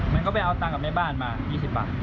มันก็ไปเอาตังค์กับในบ้านมา๒๐บาท